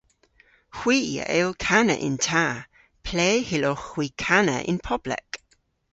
Hwi a yll kana yn ta. Ple hyllowgh hwi kana yn poblek?